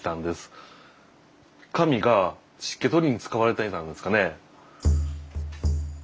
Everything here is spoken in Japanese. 紙が湿気取りに使われていたんですかね。